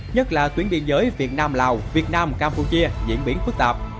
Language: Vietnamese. nhất là tuyến biên giới việt nam lào việt nam campuchia diễn biến phức tạp